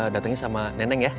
datangnya sama neneng ya